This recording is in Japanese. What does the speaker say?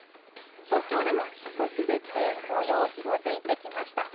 東京でも少しずつ紅葉、色づいてきました。